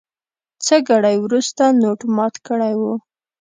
څه ګړی وروسته نوټ مات کړی و.